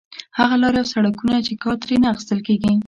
هغه لارې او سړکونه چې کار ترې نه اخیستل کېږي.